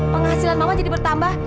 penghasilan mama jadi bertambah